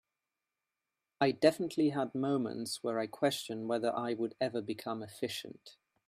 I definitely had moments where I questioned whether I would ever become efficient.